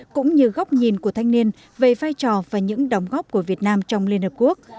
cũng như góc nhìn của thanh niên về vai trò và những đóng góp của việt nam trong liên hợp quốc